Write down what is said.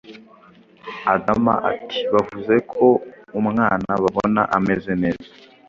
adama ati bavuze ko umwana babona ameze neza